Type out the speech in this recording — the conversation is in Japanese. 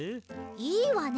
いいわね。